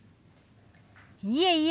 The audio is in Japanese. いえいえ。